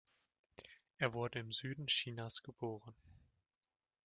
Er wurde im Süden Chinas geboren.